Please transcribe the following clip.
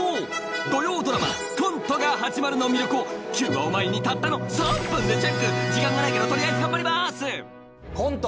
土曜ドラマ『コントが始まる』の魅力を９話を前にたったの３分でチェック時間がないけど取りあえず頑張りますコント